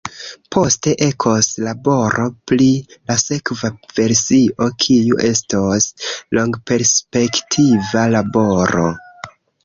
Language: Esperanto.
Poste ekos laboro pri la sekva versio, kiu estos longperspektiva laboro.